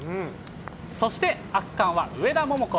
そして圧巻は上田桃子。